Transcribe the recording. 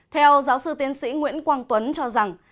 theo giáo sư tiến sĩ nguyễn quang tuấn cho rằng